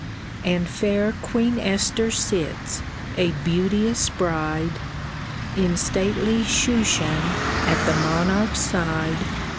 And fair Queen Esther sits, a beauteous bride. In stately Shushan at the monarch's side.